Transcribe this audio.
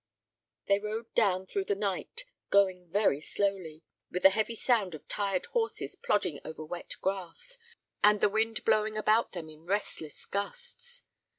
They rode down through the night, going very slowly, with the heavy sound of tired horses plodding over wet grass, and the wind blowing about them in restless gusts.